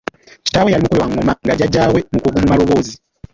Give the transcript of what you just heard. Kitaawe yali mukubi wa ng'oma nga jjaajaawe omukazi mukugu mu maloboozi